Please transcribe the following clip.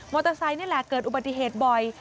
มอเตอร์ไซต์นี่แหละเกิดอุบัติเหตุบ่อย